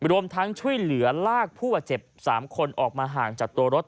รวมทั้งช่วยเหลือลากผู้บาดเจ็บ๓คนออกมาห่างจากตัวรถ